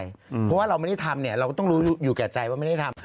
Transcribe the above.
เพราะว่าเราไม่ได้ทำเนี่ยเราก็ต้องรู้อยู่แก่ใจว่าไม่ได้ทำ